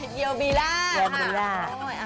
เกลียวบีล่า